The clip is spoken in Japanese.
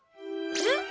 えっ？